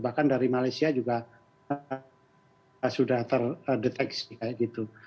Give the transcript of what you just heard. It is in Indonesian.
bahkan dari malaysia juga sudah terdeteksi kayak gitu